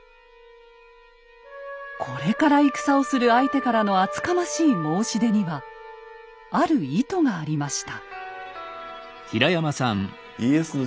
これから戦をする相手からの厚かましい申し出にはある意図がありました。